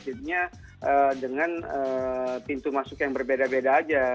targetednya dengan pintu masuk yang berbeda beda saja